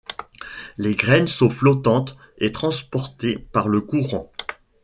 Les graines sont flottantes et transportées par le courant.